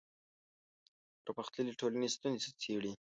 پرمختللې ټولنې ستونزې څېړي